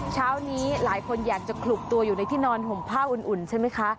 เช้านี้หลายคนอยากจะขลุกตัวอยู่ในที่นอนห่มผ้าอุ่นใช่ไหมคะ